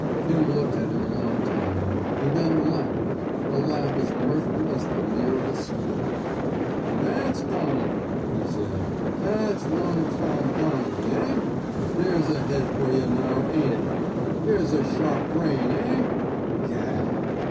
Pim looked at him a long time, and then laughed — a laugh as mirthful as the leer of a skull. '' An * that 's Donnelly, '' he said. '' That 's Long Tom Donnelly, eh? There ^s a head fer yuh, now, ainH it? There ^s a sharp brain, eh? Gad!